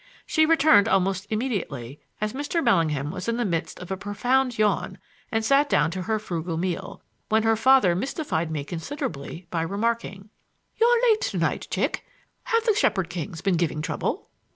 She returned almost immediately as Mr. Bellingham was in the midst of a profound yawn, and sat down to her frugal meal, when her father mystified me considerably by remarking: "You're late to night, chick. Have the Shepherd Kings been giving trouble?"